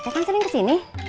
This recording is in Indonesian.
dia kan sering kesini